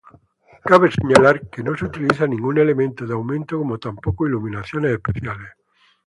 Cabe señalar que no se utiliza ningún elemento de aumento como tampoco iluminaciones especiales.